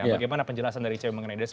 bagaimana penjelasan dari icw mengenai desk